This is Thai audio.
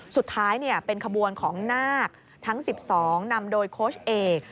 สุดท้ายเป็นขบวนของนาคทั้ง๑๒นำโดยโค้ชเอก